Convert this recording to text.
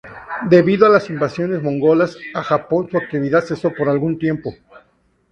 Debido a las invasiones mongolas a Japón su actividad cesó por algún tiempo.